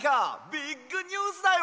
ビッグニュースだよ！